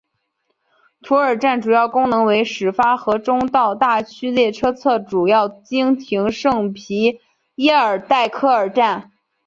图尔站主要功能为始发和终到大区列车则主要经停圣皮耶尔代科尔站。